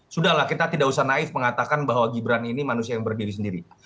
sudah lah kita tidak usah naif mengatakan bahwa gibran ini manusia yang berdiri sendiri